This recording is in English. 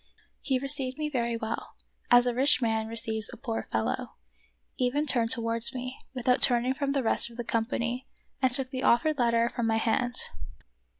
He received me very well, — as a rich man receives a poor fellow, — even turned towards me, without turning from the rest of the company, and took the offered letter from my hand.